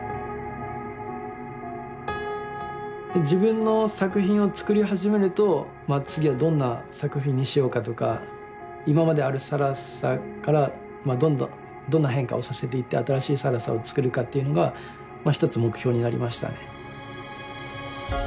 自分の作品を作り始めるとまあ次はどんな作品にしようかとか今まである更紗からまあどんな変化をさせていって新しい更紗を作るかというのがまあ一つ目標になりましたね。